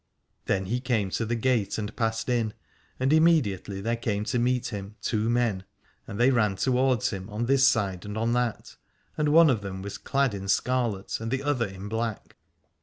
Then he came to the gate and passed in : and immediately there came to meet him two men, and they ran towards him on this side and on that, and one of them was clad in scarlet and the other in black.